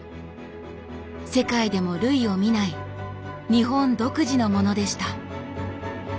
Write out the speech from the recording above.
世界でも類を見ない日本独自のものでした。